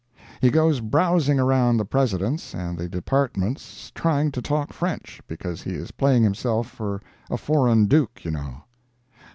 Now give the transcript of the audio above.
He goes browsing around the President's and the departments trying to talk French—because he is playing himself for a foreign Duke, you know.